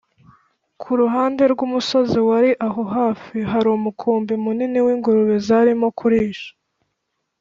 ku ruhande rw’umusozi wari aho hafi, hari umukumbi munini w’ingurube zarimo kurisha